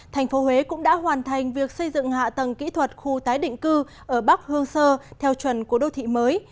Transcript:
thành phố huế cũng đã hoàn thành việc xây dựng hạ tầng kỹ thuật khu tái định cư ở bắc hương sơ theo chuẩn của đô thị mới